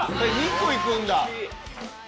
２個いくんだ。